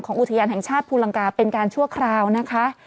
อุทยานแห่งชาติภูลังกาเป็นการชั่วคราวนะคะ